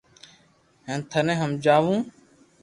ھين ٿني ھماجاو